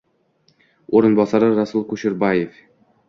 O'rinbosari Rasul Kusherboev